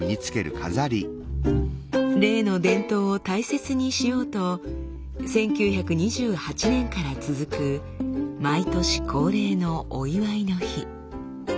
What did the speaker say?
レイの伝統を大切にしようと１９２８年から続く毎年恒例のお祝いの日。